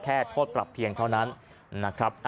โทษปรับเพียงเท่านั้นนะครับ